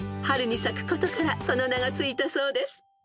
［春に咲くことからこの名が付いたそうです］